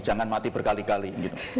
jangan mati berkali kali